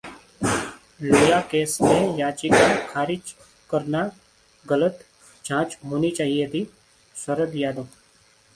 लोया case में याचिका खारिज करना गलत, जांच होनी चाहिए थी: शरद यादव